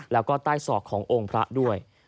แล้วก็ใต้ศอกขององค์พระด้วย